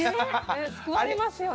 救われますよね。